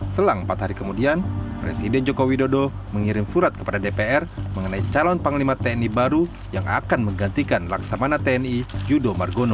selang empat hari kemudian presiden jokowi dodo mengirim surat kepada dpr mengenai calon panglima tni baru yang akan menggantikan laksamana tni yudo margono